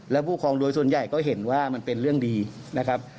แล้วผู้ครองโดยส่วนใหญ่ก็เห็นว่ามันเป็นเรื่องดีนะครับ